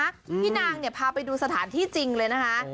พี่นางเนี่ยพาไปดูสถานที่จริงเลยนะคะ